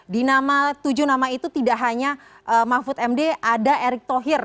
di tujuh nama itu tidak hanya mahfud md ada erick thohir